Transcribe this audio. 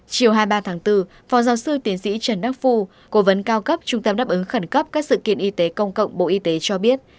chiều hai mươi ba tháng bốn phó giáo sư tiến sĩ trần đắc phu cố vấn cao cấp trung tâm đáp ứng khẩn cấp các sự kiện y tế công cộng bộ y tế cho biết